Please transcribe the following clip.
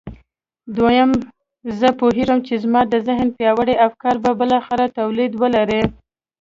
دويم زه پوهېږم چې زما د ذهن پياوړي افکار به بالاخره توليد ولري.